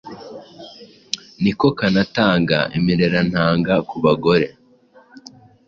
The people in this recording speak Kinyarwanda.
ni ko kanatanga imirerantanga ku bagore,